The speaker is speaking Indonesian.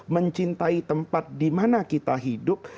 mencintai tempat dimana kita hidup